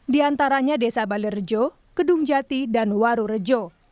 di antaranya desa balerjo kedungjati dan waru rejo